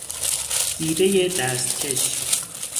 گیره دستکش